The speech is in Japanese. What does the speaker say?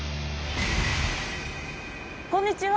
こんにちは。